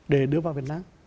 để đưa vào việt nam